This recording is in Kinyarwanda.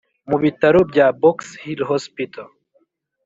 mu bitaro bya box hill hospital